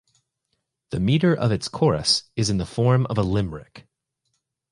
The meter of its chorus is in the form of a Limerick.